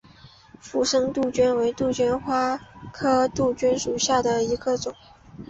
附生杜鹃为杜鹃花科杜鹃属下的一个种。